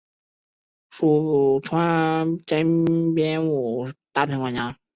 属川滇边务大臣管辖。